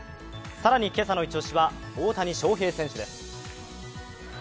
更に今朝のイチ押しは大谷翔平選手です。